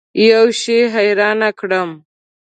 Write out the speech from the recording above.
یوه شي حیران کړم.